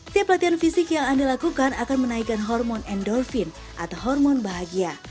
tiap latihan fisik yang anda lakukan akan menaikkan hormon endorfin atau hormon bahagia